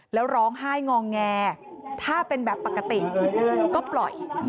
แล้วร้องไห้งอแงถ้าเป็นแบบปกติก็ปล่อย